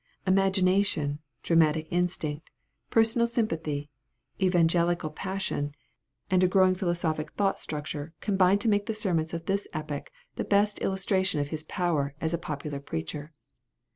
Imagination, dramatic instinct, personal sympathy, evangelical passion, and a growing philosophic thought structure, combine to make the sermons of this epoch the best illustration of his power as a popular preacher.